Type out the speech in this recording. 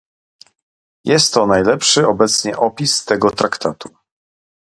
Jest to najlepszy obecnie opis tego Traktatu